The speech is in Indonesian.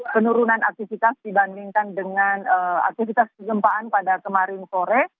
penurunan aktivitas dibandingkan dengan aktivitas kegempaan pada kemarin sore